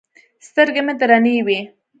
سترګې مې درنې وې.